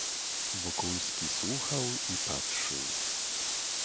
"Wokulski słuchał i patrzył."